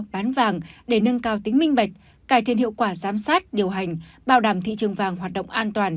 bán vàng để nâng cao tính minh bạch cải thiện hiệu quả giám sát điều hành bảo đảm thị trường vàng hoạt động an toàn